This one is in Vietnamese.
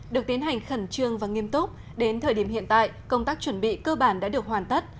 được tiến hành khẩn trương và nghiêm túc đến thời điểm hiện tại công tác chuẩn bị cơ bản đã được hoàn tất